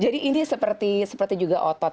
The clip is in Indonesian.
jadi ini seperti juga otot